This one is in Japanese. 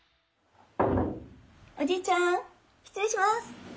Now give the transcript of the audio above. おじいちゃん失礼します。